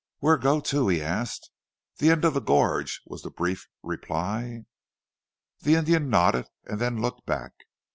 "Where go to?" he asked. "The end of the gorge," was the brief reply. The Indian nodded, and then looked back.